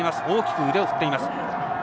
大きく腕を振っています。